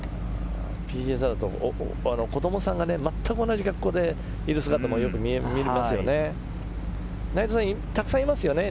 ＰＧＡツアーだと子供さんが全く同じ格好でいる姿も見ますよね。